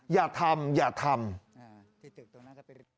อย่าทำอย่าทำ